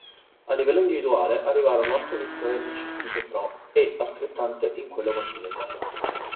A livello individuale arrivarono otto vittorie nel circuito Pro e altrettante in quello Continental.